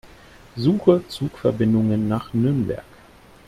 Suche Zugverbindungen nach Nürnberg.